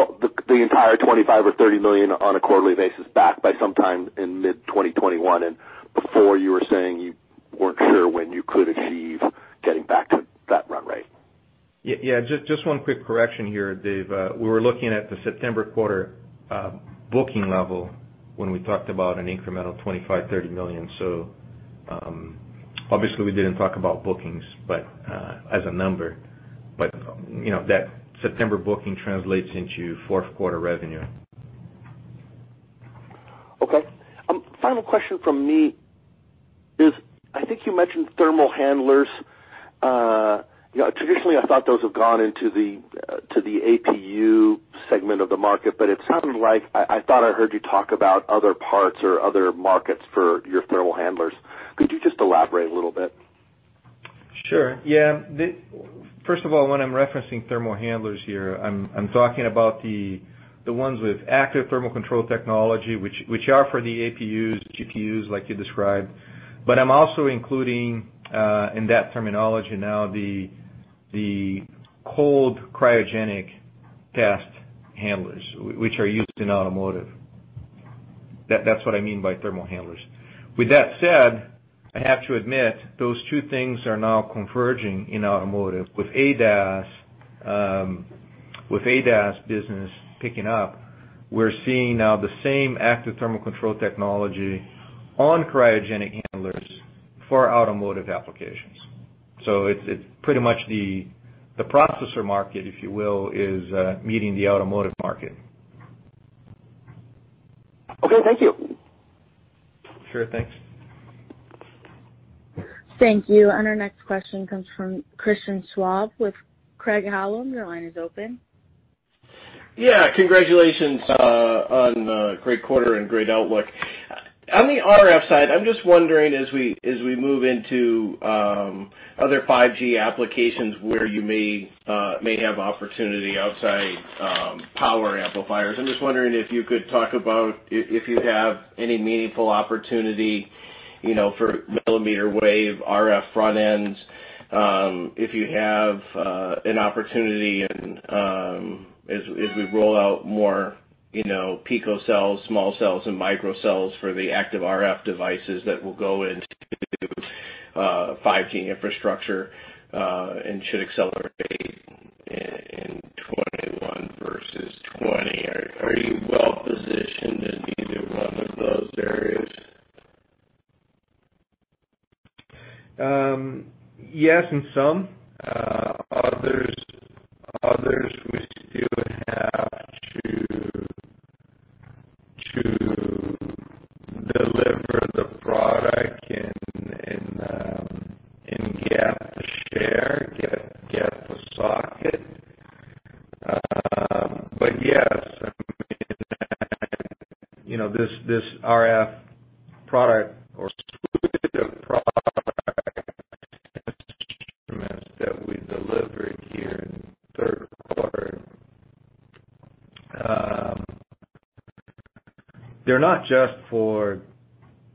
the entire $25 million or $30 million on a quarterly basis back by sometime in mid-2021. Before you were saying you weren't sure when you could achieve getting back to that run rate. Yeah, just one quick correction here, Dave. We were looking at the September quarter booking level when we talked about an incremental $25 million-$30 million. Obviously we didn't talk about bookings, but as a number. That September booking translates into fourth quarter revenue. Okay. Final question from me is, I think you mentioned thermal handlers. Traditionally, I thought those have gone into the APU segment of the market, but it sounded like, I thought I heard you talk about other parts or other markets for your thermal handlers. Could you just elaborate a little bit? Sure. First of all, when I'm referencing thermal handlers here, I'm talking about the ones with active thermal control technology, which are for the APUs, GPUs, like you described. I'm also including, in that terminology now, the cold cryogenic test handlers, which are used in automotive. That's what I mean by thermal handlers. With that said, I have to admit, those two things are now converging in automotive with ADAS business picking up. We're seeing now the same active thermal control technology on cryogenic handlers for automotive applications. It's pretty much the processor market, if you will, is meeting the automotive market. Okay. Thank you. Sure. Thanks. Thank you. Our next question comes from Christian Schwab with Craig-Hallum. Your line is open. Yeah. Congratulations on a great quarter and great outlook. On the RF side, I'm just wondering as we move into other 5G applications where you may have opportunity outside power amplifiers. I'm just wondering if you could talk about if you have any meaningful opportunity for millimeter wave RF front-ends, if you have an opportunity and as we roll out more picocells, small cells, and microcells for the active RF devices that will go into 5G infrastructure, and should accelerate in 2021 versus 2020. Are you well-positioned in either one of those areas? Yes, in some. Others, we still have to deliver the product and get the share, get the socket. Yes, this RF product or suite of product instruments that we delivered here in the third quarter, they're not just for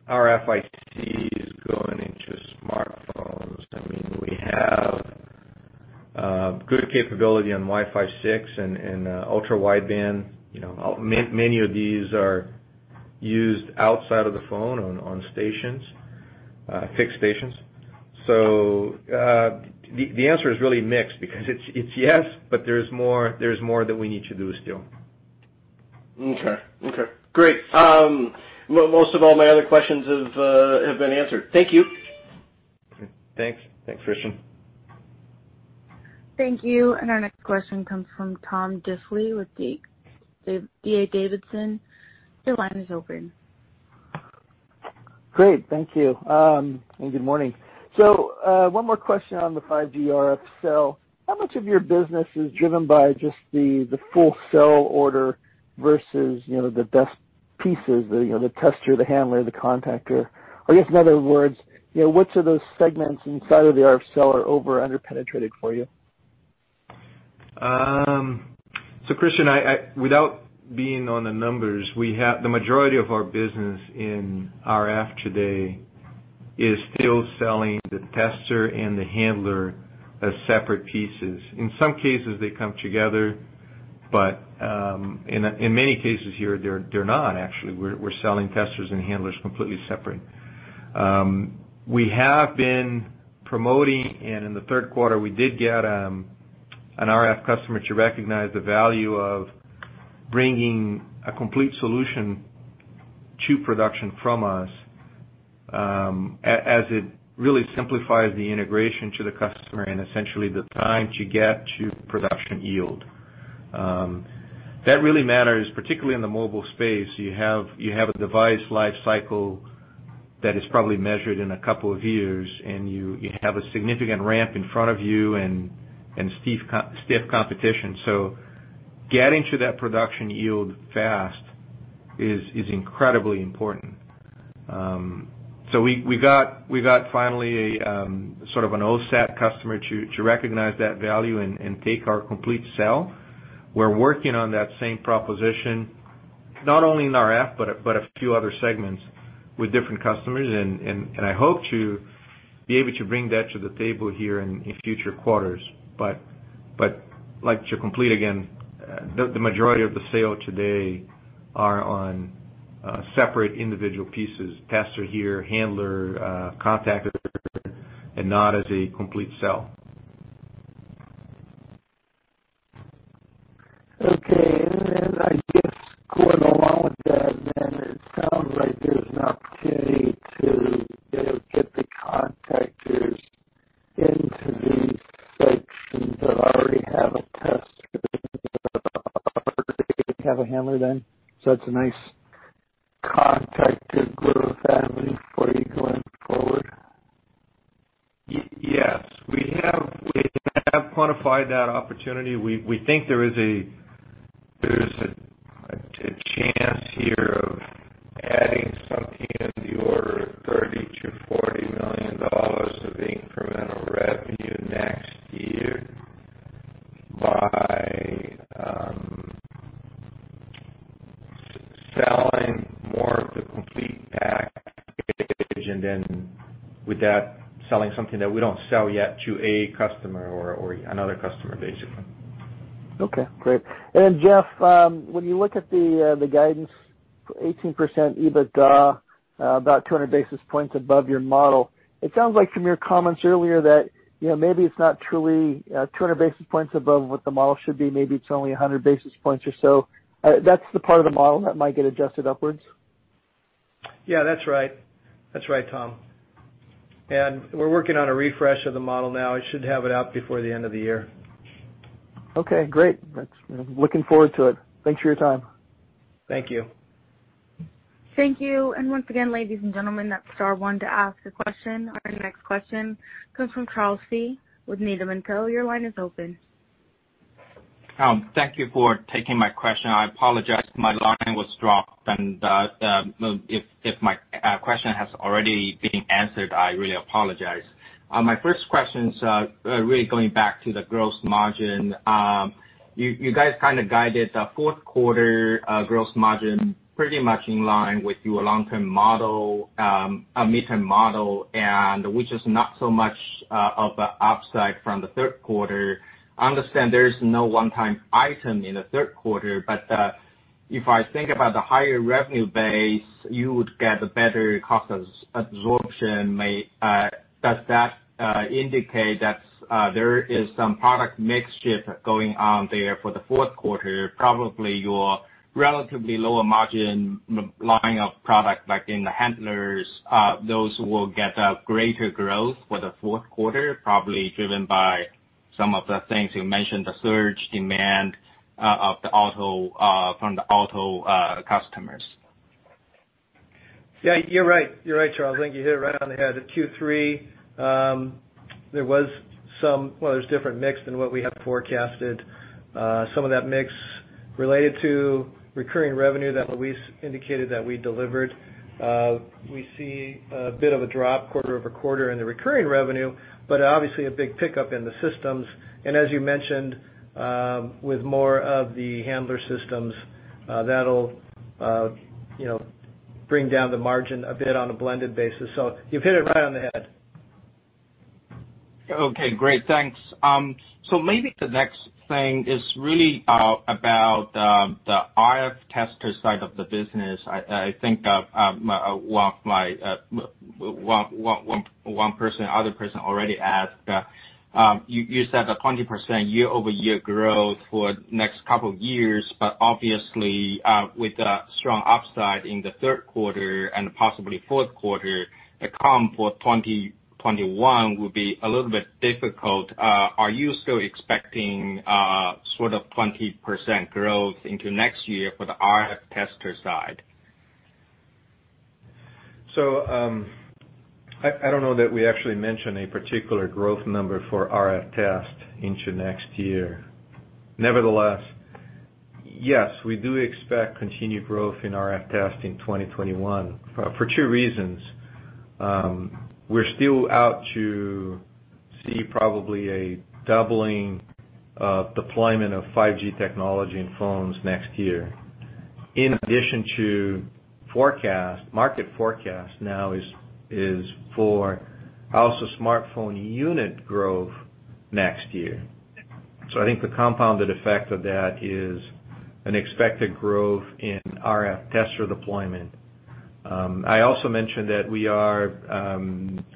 RFICs going into smartphones. We have good capability on Wi-Fi 6 and ultra-wideband. Many of these are used outside of the phone on fixed stations. The answer is really mixed because it's yes, but there's more that we need to do still. Okay. Great. Well, most of all my other questions have been answered. Thank you. Thanks. Thanks, Christian. Thank you. Our next question comes from Tom Diffely with D.A. Davidson. Your line is open. Great. Thank you. Good morning. One more question on the 5G RF cell. How much of your business is driven by just the full-cell order versus the best pieces, the tester, the handler, the contactor? I guess in other words, which of those segments inside of the RF cell are over or under-penetrated for you? Christian, without being on the numbers, the majority of our business in RF today is still selling the tester and the handler as separate pieces. In some cases, they come together, in many cases here, they're not actually. We're selling testers and handlers completely separate. We have been promoting, in the third quarter, we did get an RF customer to recognize the value of bringing a complete solution to production from us, as it really simplifies the integration to the customer and essentially the time to get to production yield. That really matters, particularly in the mobile space. You have a device life cycle that is probably measured in a couple of years, you have a significant ramp in front of you and stiff competition. Getting to that production yield fast is incredibly important. We got finally a sort of an OSAT customer to recognize that value and take our complete cell. We're working on that same proposition, not only in RF, but a few other segments with different customers. I hope to be able to bring that to the table here in future quarters. Like to complete again, the majority of the sale today are on separate individual pieces, tester here, handler, contactor, and not as a complete cell. Okay. I guess going along with that, then it sounds like there's an opportunity to get the contactors into these sections that already have a tester and that already have a handler then. It's a nice contactor growth avenue for you going forward? Yes. We have quantified that opportunity. We think there's a chance here of adding something in the order of $30 million-$40 million of incremental revenue next year by selling more of the complete package and then with that, selling something that we don't sell yet to a customer or another customer, basically. Okay, great. Jeff, when you look at the guidance 18% EBITDA, about 200 basis points above your model, it sounds like from your comments earlier that maybe it's not truly 200 basis points above what the model should be. Maybe it's only 100 basis points or so. That's the part of the model that might get adjusted upwards. Yeah, that's right, Tom. We're working on a refresh of the model now. I should have it out before the end of the year. Okay, great. Looking forward to it. Thanks for your time. Thank you. Thank you. Once again, ladies and gentlemen, that's star one to ask a question. Our next question comes from Charles Shi with Needham & Company. Your line is open. Thank you for taking my question. I apologize, my line was dropped and if my question has already been answered, I really apologize. My first question is really going back to the gross margin. You guys kind of guided the fourth quarter gross margin pretty much in line with your long-term model, a midterm model, and which is not so much of a upside from the third quarter. I understand there's no one-time item in the third quarter, but if I think about the higher revenue base, you would get a better cost absorption. Does that indicate that there is some product mixture going on there for the fourth quarter? Probably your relatively lower margin line of product, like in the handlers, those will get a greater growth for the fourth quarter, probably driven by some of the things you mentioned, the surge demand from the auto customers. Yeah, you're right, Charles. I think you hit it right on the head. At Q3, there was different mix than what we had forecasted. Some of that mix related to recurring revenue that Luis indicated that we delivered. We see a bit of a drop quarter-over-quarter in the recurring revenue, but obviously a big pickup in the systems. As you mentioned, with more of the handler systems, that'll bring down the margin a bit on a blended basis. You've hit it right on the head. Okay, great. Thanks. Maybe the next thing is really about the RF tester side of the business. I think one person, other person already asked. You said the 20% year-over-year growth for next couple of years, obviously, with a strong upside in the third quarter and possibly fourth quarter, the comp for 2021 will be a little bit difficult. Are you still expecting sort of 20% growth into next year for the RF tester side? I don't know that we actually mentioned a particular growth number for RF test into next year. Nevertheless, yes, we do expect continued growth in RF test in 2021 for two reasons. We're still out to see probably a doubling of deployment of 5G technology in phones next year. In addition to market forecast now is for also smartphone unit growth next year. I think the compounded effect of that is an expected growth in RF tester deployment. I also mentioned that we are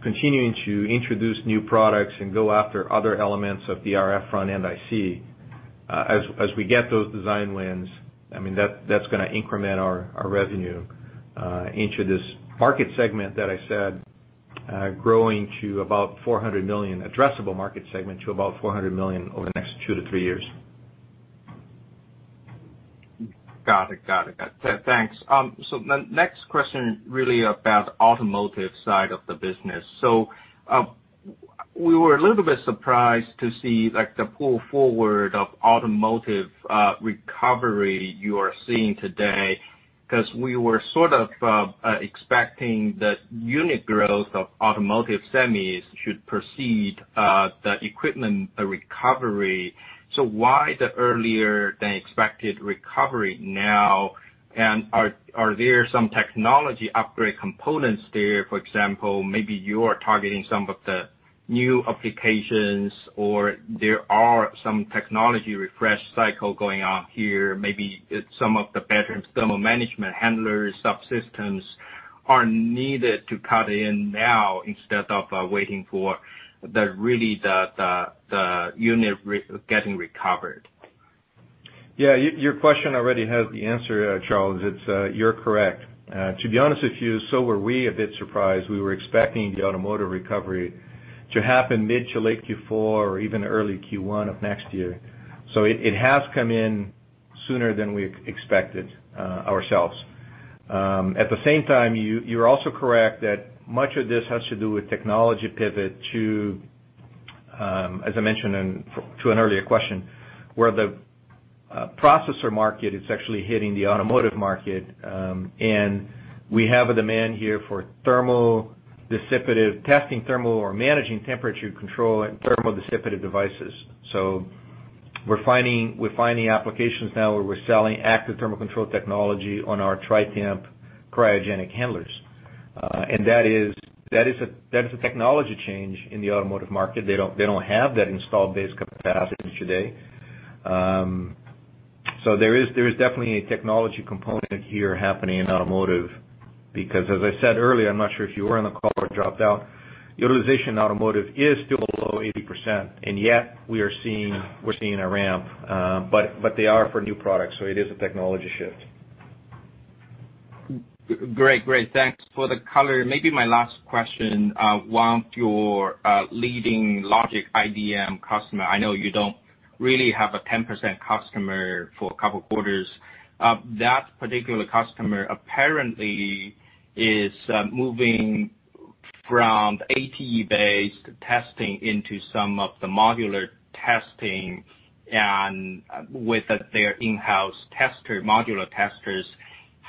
continuing to introduce new products and go after other elements of the RF front-end IC. As we get those design wins, that's gonna increment our revenue into this market segment that I said, growing to about $400 million, addressable market segment to about $400 million over the next two to three years. Got it. Thanks. Next question really about automotive side of the business. We were a little bit surprised to see the pull forward of automotive recovery you are seeing today, because we were sort of expecting the unit growth of automotive semis should precede the equipment recovery. Why the earlier than expected recovery now? Are there some technology upgrade components there? For example, maybe you are targeting some of the new applications, or there are some technology refresh cycle going on here. Maybe some of the better thermal management handlers, subsystems are needed to cut in now instead of waiting for really the unit getting recovered. Yeah, your question already has the answer, Charles. You're correct. To be honest with you, we were a bit surprised. We were expecting the automotive recovery to happen mid to late Q4 or even early Q1 of next year. It has come in sooner than we expected ourselves. At the same time, you're also correct that much of this has to do with technology pivot to, as I mentioned to an earlier question, where the processor market is actually hitting the automotive market, and we have a demand here for testing thermal or managing temperature control and thermal dissipative devices. We're finding applications now where we're selling active thermal control technology on our TriTemp cryogenic handlers. That is a technology change in the automotive market. They don't have that installed base capacity today. There is definitely a technology component here happening in automotive because, as I said earlier, I'm not sure if you were on the call or dropped out, utilization in automotive is still below 80%, and yet we're seeing a ramp. They are for new products, so it is a technology shift. Great. Thanks for the color. Maybe my last question, one of your leading logic IDM customer, I know you don't really have a 10% customer for a couple of quarters. That particular customer apparently is moving from ATE-based testing into some of the modular testing and with their in-house modular testers.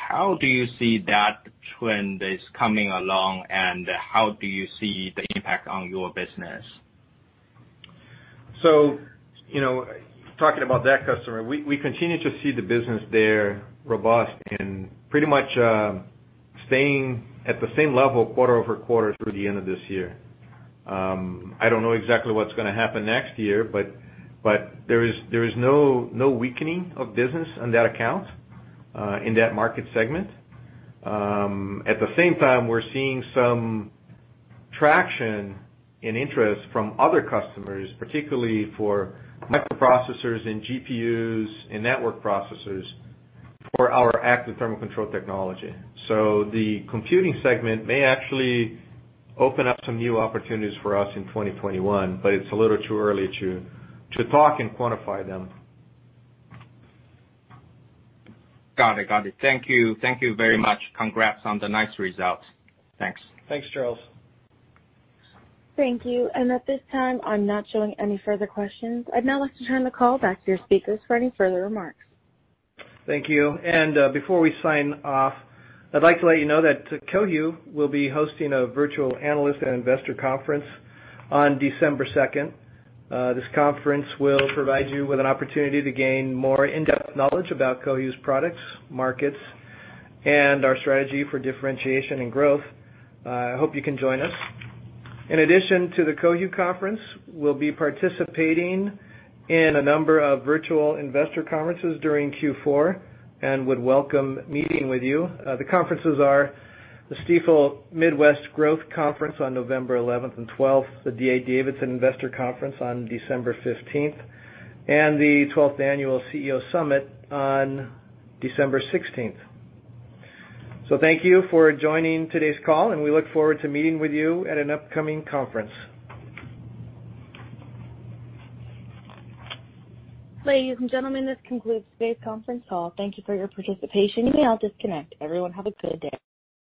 How do you see that trend is coming along, and how do you see the impact on your business? Talking about that customer, we continue to see the business there robust and pretty much staying at the same level quarter-over-quarter through the end of this year. I don't know exactly what's going to happen next year, but there is no weakening of business on that account, in that market segment. At the same time, we're seeing some traction and interest from other customers, particularly for microprocessors and GPUs and network processors for our active thermal control technology. The computing segment may actually open up some new opportunities for us in 2021, but it's a little too early to talk and quantify them. Got it. Thank you very much. Congrats on the nice results. Thanks. Thanks, Charles. Thank you. At this time, I'm not showing any further questions. I'd now like to turn the call back to your speakers for any further remarks. Thank you. Before we sign off, I'd like to let you know that Cohu will be hosting a Virtual Analyst and Investor Conference on December 2nd, 2021. This conference will provide you with an opportunity to gain more in-depth knowledge about Cohu's products, markets, and our strategy for differentiation and growth. I hope you can join us. In addition to the Cohu conference, we'll be participating in a number of virtual investor conferences during Q4 and would welcome meeting with you. The conferences are the Stifel Midwest Growth Conference on November 11th and 12th, the D.A. Davidson Investor Conference on December 15th, and the 12th Annual CEO Summit on December 16th. Thank you for joining today's call, and we look forward to meeting with you at an upcoming conference. Ladies and gentlemen, this concludes today's conference call. Thank you for your participation. You may now disconnect. Everyone, have a good day.